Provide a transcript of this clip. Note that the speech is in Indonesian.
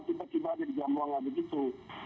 tiba tiba ada di jambuanga begitu